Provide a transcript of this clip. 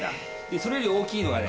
それより大きいのはね